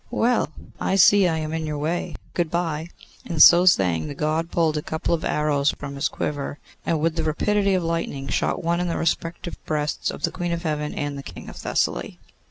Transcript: Well! I see I am in your way. Good bye!' And so saying, the God pulled a couple of arrows from his quiver, and with the rapidity of lightning shot one in the respective breasts of the Queen of Heaven and the King of Thessaly.